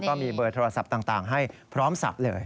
ก็มีเบอร์โทรศัพท์ต่างให้พร้อมศัพท์เลย